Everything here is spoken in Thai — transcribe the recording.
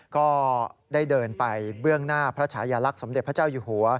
ก็ได้เดินไปเบื้องหน้าพระชายลักษณ์สมเด็จพระเจ้าอยู่หัว